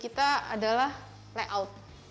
kita adalah layout